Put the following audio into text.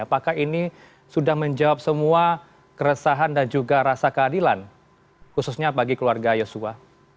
apakah ini sudah menjawab semua keresahan dan juga rasa keadilan khususnya bagi keluarga yosua